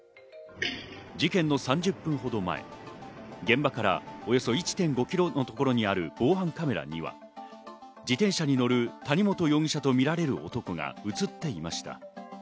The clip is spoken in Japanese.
事件の３０分ほど前、現場からおよそ１．５ｋｍのところにある防犯カメラには自転車に乗る谷本容疑者とみられる男が映っていました。